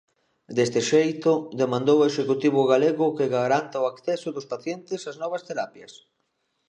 Deste xeito, demandou ao Executivo galego que "garanta o acceso" dos pacientes ás novas terapias.